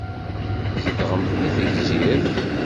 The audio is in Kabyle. Tzedɣemt deg Tegzirt?